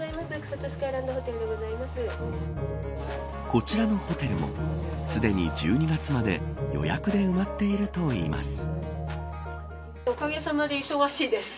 こちらのホテルもすでに１２月まで予約で埋まっているといいます。